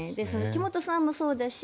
木本さんもそうだし